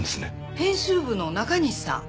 編集部の中西さん？